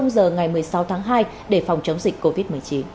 giờ ngày một mươi sáu tháng hai để phòng chống dịch covid một mươi chín